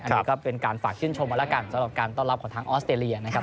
อันนี้ก็เป็นการฝากชื่นชมมาแล้วกันสำหรับการต้อนรับของทางออสเตรเลียนะครับ